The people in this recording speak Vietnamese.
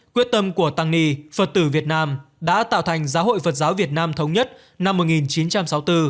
quyết tâm của tăng ni phật tử việt nam đã tạo thành giáo hội phật giáo việt nam thống nhất năm một nghìn chín trăm sáu mươi bốn